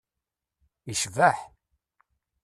Icbeḥ!